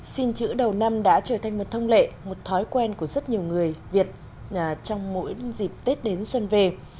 xin chữ đầu năm đã trở thành một thông lệ một thói quen của rất nhiều người việt trong mỗi dịp tết đến xuân về